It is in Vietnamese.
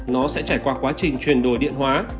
nó sẽ trải qua quá trình chuyển đổi điện hóa